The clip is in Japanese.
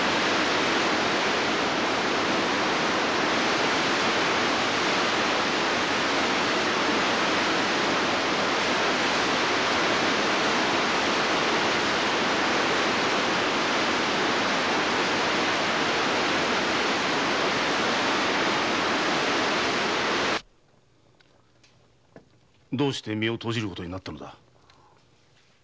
どうして身を投じる事になったのだ？